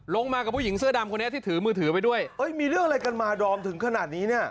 มากับผู้หญิงเสื้อดำคนนี้ที่ถือมือถือไปด้วยเอ้ยมีเรื่องอะไรกันมาดอมถึงขนาดนี้เนี่ย